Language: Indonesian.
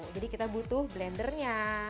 jadi kita butuh blendernya